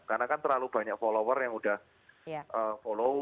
karena kan terlalu banyak follower yang udah follow